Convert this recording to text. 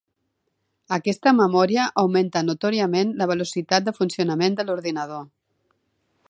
Aquesta memòria augmenta notòriament la velocitat de funcionament de l'ordinador.